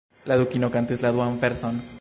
La Dukino kantis la duan verson.